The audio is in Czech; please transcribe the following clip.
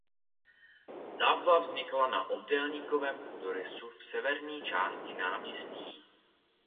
Stavba vznikla na obdélníkovém půdorysu v severní části náměstí.